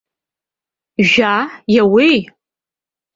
Жәаа, иауеи?!